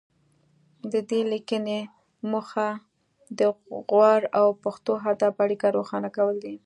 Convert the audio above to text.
د دې لیکنې موخه د غور او پښتو ادب اړیکه روښانه کول دي